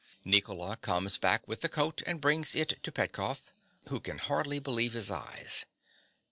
(_Nicola comes back with the coat and brings it to Petkoff, who can hardly believe his eyes.